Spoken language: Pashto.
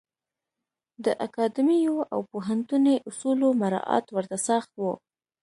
د اکاډمیو او پوهنتوني اصولو مرعات ورته سخت و.